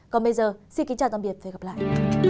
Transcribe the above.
còn bây giờ xin kính chào tạm biệt và hẹn gặp lại